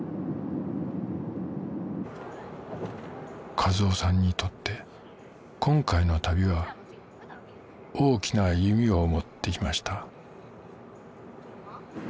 一男さんにとって今回の旅は大きな意味を持っていました